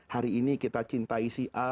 hari ini kita cintai si a